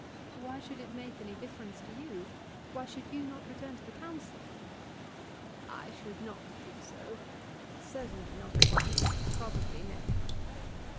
"Why should it make any difference to you? Why should you not return to the Council?" "I should not do so; certainly not at once; probably never.